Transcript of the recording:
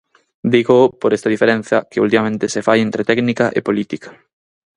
Dígoo por esta diferenza que ultimamente se fai entre técnica e política.